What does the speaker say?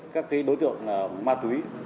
các đối tượng ma túy